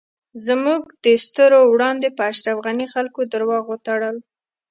زموږ د سترږو وړاندی په اشرف غنی خلکو درواغ وتړل